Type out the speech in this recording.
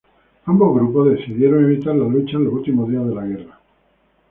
Ambos grupos decidieron evitar la lucha en los últimos días de la guerra.